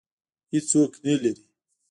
هېڅوک نه لري